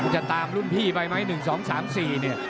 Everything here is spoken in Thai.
จะตามรุ่นพี่ไปไหม๑๒๓๔เนี่ย